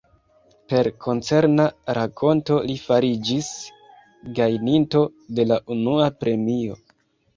Per koncerna rakonto li fariĝis gajninto de la unua premio.